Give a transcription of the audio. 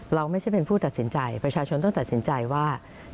เราไม่ใช่เป็นผู้ตัดสินใจประชาชนต้องตัดสินใจว่า